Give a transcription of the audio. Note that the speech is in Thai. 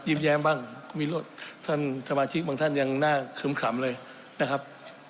แย้มบ้างท่านสมาชิกบางท่านยังน่าคึมขำเลยนะครับ